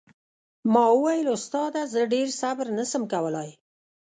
ما وويل استاده زه ډېر صبر نه سم کولاى.